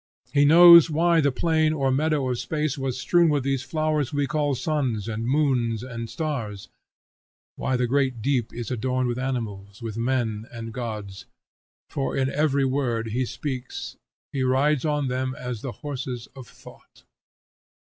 He knows why the plain or meadow of space was strewn with these flowers we call suns and moons and stars; why the great deep is adorned with animals, with men, and gods; for in every word he speaks he rides on them as the horses of thought.